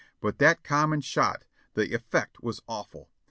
"But that cannon shot! The effect was awful!